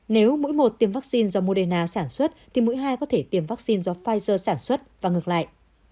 nếu mũi một tiêm vaccine do moderna sản xuất thì mũi hai có thể tiêm vaccine do pfizer sản xuất và ngược lại